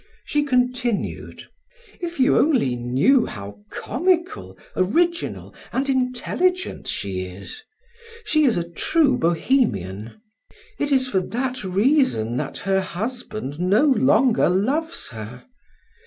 She continued: "If you only knew how comical, original, and intelligent she is! She is a true Bohemian. It is for that reason that her husband no longer loves her.